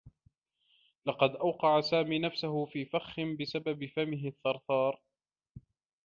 لقد أوقع سامي نفسه في فخّ بسبب فمه الثّرثار.